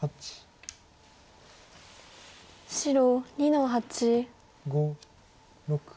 白２の八。